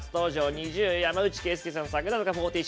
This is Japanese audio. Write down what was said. ＮｉｚｉＵ、山内惠介さんそして櫻坂４６。